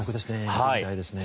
見てみたいですね。